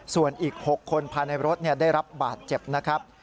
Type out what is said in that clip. ส่วนอีก๖คนภายในรถได้รับบาดเจ็บนะครับ